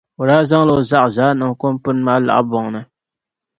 O daa zaŋ la o zaɣa zaa n-niŋ kɔmpini maa laɣi paŋbo ni.